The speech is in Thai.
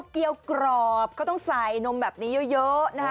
เกี้ยวกรอบต้องใส่นมแบบนี้เยอะ